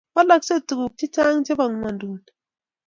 Walaksei tuguk chechang chebo gwenduni